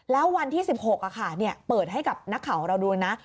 แล้ววันที่๑๖อะค่ะเนี่ยเปิดให้กับนักข่าวของเราดูนะ